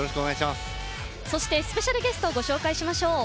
スペシャルゲストをご紹介しましょう。